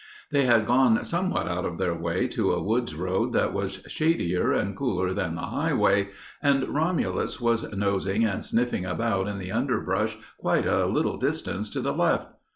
They had gone somewhat out of their way to a woods road that was shadier and cooler than the highway and Romulus was nosing and sniffing about in the underbrush quite a little distance to the left.